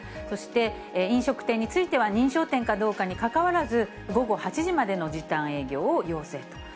そして、飲食店については、認証店かどうかにかかわらず、午後８時までの時短営業を要請と。